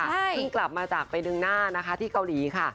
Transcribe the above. เพิ่งกลับมาจากไปดึงหน้านะคะที่เกาหลีค่ะ